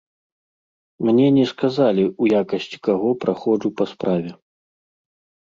Мне не сказалі, у якасці каго праходжу па справе.